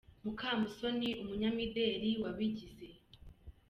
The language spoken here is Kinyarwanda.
Mukamusoni umunyamideli wabigize.